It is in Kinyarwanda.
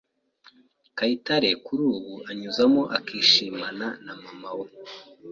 Kayitare kuri ubu anyuzamo akishimana na mama we